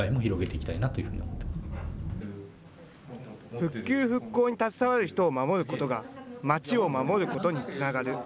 復旧・復興に携わる人を守ることが、まちを守ることにつながる。